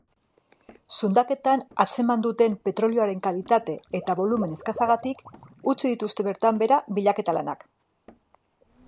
Zundaketetan atzeman duten petrolioaren kalitate eta bolumen eskasagatik utzi dituzte bertan behera bilaketa-lanak.